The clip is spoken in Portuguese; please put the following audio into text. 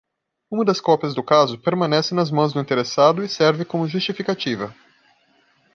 Uma das cópias do caso permanece nas mãos do interessado e serve como justificativa.